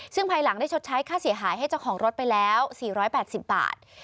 ซึ่งภายหลังได้ชดใช้ค่าเสียหายให้เจ้าของรถไปแล้ว๔๘๐บาท